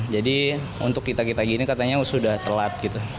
jadi untuk kita kita gini katanya sudah telat gitu